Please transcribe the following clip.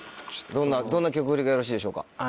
どんな曲フリがよろしいでしょうか？